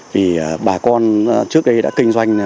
vì bà con trước đây đã kinh doanh